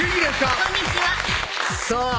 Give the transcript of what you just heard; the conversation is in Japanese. こんにちはさぁ